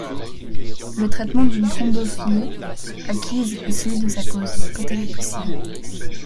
Le traitement d'une thrombophilie acquise est celui de sa cause, quand elle est possible.